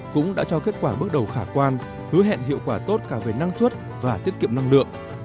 cũng đã cho kết quả bước đầu khả quan hứa hẹn hiệu quả tốt cả về năng suất và tiết kiệm năng lượng